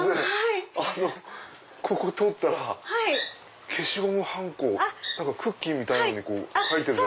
ここ通ったら消しゴムはんこクッキーみたいのに書いてる。